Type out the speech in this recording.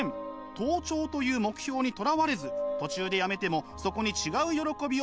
登頂という目標にとらわれず途中でやめてもそこに違う喜びを得る。